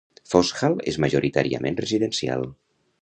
Foxhall és majoritàriament residencial.